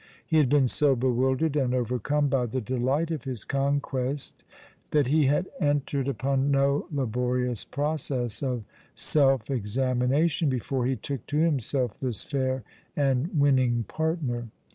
He had been so bewildered and overcome by the delight of his conquest, that he had entered upon no laborious process of self examination before he took to himself this fair and winning partner.